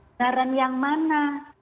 benaran yang mana